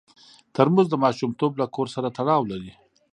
ترموز د ماشومتوب له کور سره تړاو لري.